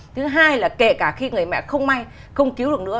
thứ hai là kể cả khi người mẹ không may không cứu được nữa